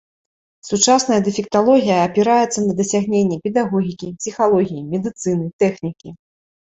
Сучасная дэфекталогія апіраецца на дасягненні педагогікі, псіхалогіі, медыцыны, тэхнікі.